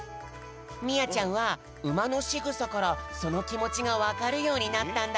みあちゃんはうまのしぐさからそのきもちがわかるようになったんだって。